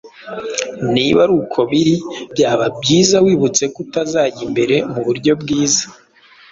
Niba ari uko biri, byaba byiza wibutse ko utazajya imbere mu buryo bwiza